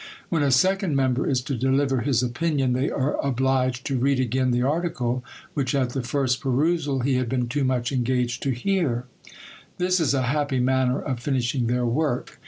When a second member is to deliver his opinion, they are obliged to read again the article, which at the first perusal he had been too much engaged to hear. This is a happy manner of finishing their work.